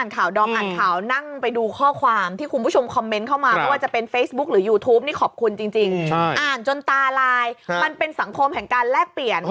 ขอบคุณจริงอ่านจนตาไลน์มันเป็นสังคมแห่งการแลกเปลี่ยน